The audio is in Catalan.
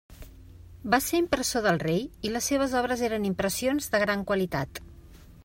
Va ser impressor del rei i les seves obres eren impressions de gran qualitat.